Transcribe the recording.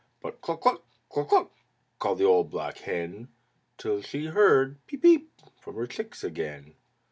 But "Cluck cluck! Cluck cluck!" called the old black hen Till she heard "Peep, peep!" from her chicks again.